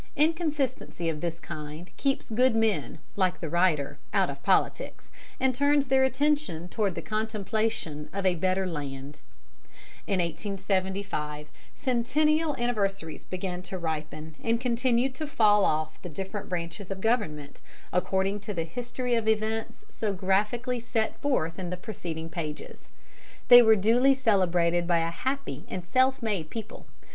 Inconsistency of this kind keeps good men, like the writer, out of politics, and turns their attention toward the contemplation of a better land. [Illustration: TALKING ABOUT THE CENTENNIAL.] In 1875 Centennial Anniversaries began to ripen and continued to fall off the different branches of government, according to the history of events so graphically set forth in the preceding pages. They were duly celebrated by a happy and self made people.